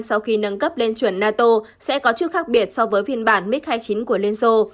sau khi nâng cấp lên chuẩn nato sẽ có trước khác biệt so với phiên bản mig hai mươi chín của liên xô